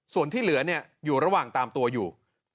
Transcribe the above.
ส่วนที่เหลืออยู่ระหว่างตามตัวอยู่